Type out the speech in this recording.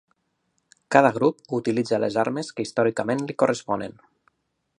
Cada grup utilitza les armes que històricament li corresponen.